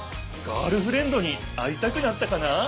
ガールフレンドに会いたくなったかな？